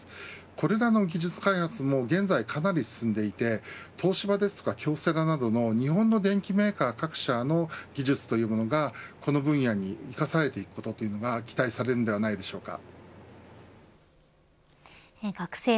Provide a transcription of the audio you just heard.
これらの技術開発も現在、かなり進んでいて東芝や京セラなどの日本の電機メーカー各社の技術というものがこの分野に生かされていくということが期待されるのではないでしょうか。